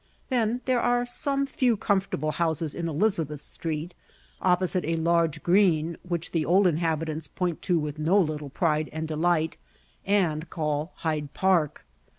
Then there are some few comfortable houses in Elizabeth Street, opposite a large green which the old inhabitants point to with no little pride and delight, and call Hyde Park.